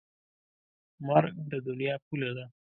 مرګ د دنیا پوله ده.